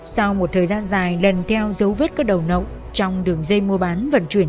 sau một thời gian dài lần theo dấu vết các đầu nậu trong đường dây mua bán vận chuyển